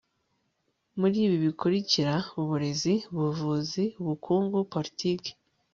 muri ibi bikurikira uburezi, ubuvuzi, ubukungu, politiki